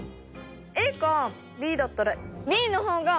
ＡかＢだったら。